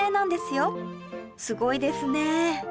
すごいですね！